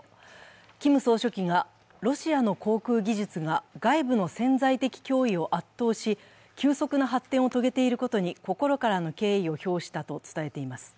キム総書記がロシアの航空技術が外部の潜在的脅威を圧倒し急速な発展を遂げていることに心からの敬意を評したを伝えています。